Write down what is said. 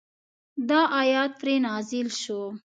دا آیت پرې نازل شو.